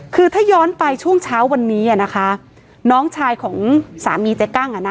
คือถ้าย้อนไปช่วงเช้าวันนี้อ่ะนะคะน้องชายของสามีเจ๊กั้งอ่ะนะ